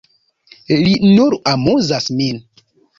Li nur amuzas min.